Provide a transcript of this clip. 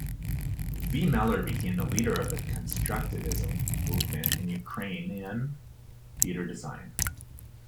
V. Meller became the leader of the Constructivism movement in Ukrainian theater design.